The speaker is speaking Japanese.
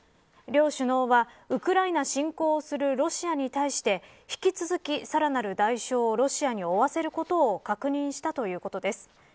両首脳はウクライナ侵攻をするロシアに対して引き続き、さらなる代償をロシアに負わせることを確認したということです。